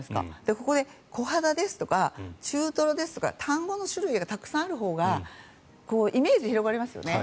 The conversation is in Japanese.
ここでコハダですとか中トロですとか単語の種類がたくさんあるほうがイメージが広がりますよね。